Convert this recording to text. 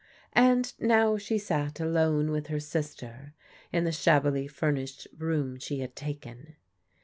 And now she sat alone with her sister, in the shabbily furnished room she had taken.